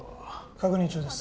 確認中です